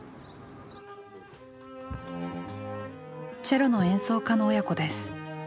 チェロの演奏家の親子です。